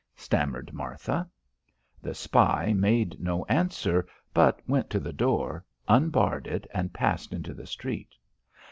stammered Martha. The spy made no answer but went to the door, unbarred it and passed into the street.